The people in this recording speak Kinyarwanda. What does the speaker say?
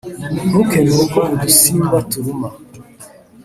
ntukemere ko udusimba turuma.